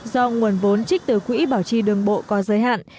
do nguồn vốn trích từ quỹ bảo trì đường bộ có giới hạn